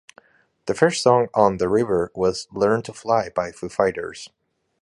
The first song on "The River" was "Learn to Fly" by Foo Fighters.